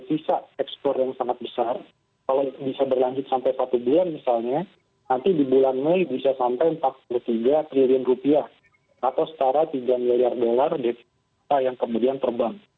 sisa ekspor yang sangat besar kalau bisa berlanjut sampai satu bulan misalnya nanti di bulan mei bisa sampai empat puluh tiga triliun rupiah atau setara tiga miliar dolar yang kemudian terbang